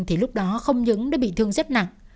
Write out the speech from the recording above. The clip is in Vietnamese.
thì lúc đó không những đã bị thương rất nặng